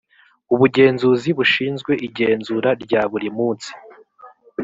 ubugenzuzi bushinzwe igenzura rya buri munsi